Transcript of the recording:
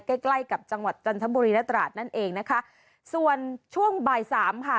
ใกล้ใกล้กับจังหวัดจันทบุรีและตราดนั่นเองนะคะส่วนช่วงบ่ายสามค่ะ